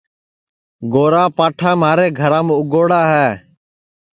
گُوار پاٹھا مھارے گھرام اُگوڑا ہے